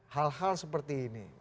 hal hal seperti ini